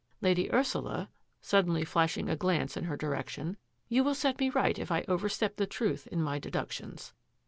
Lady Ursula," suddenly flashing a glance in her direc tion, " you will set me right if I overstep the truth in my deductions."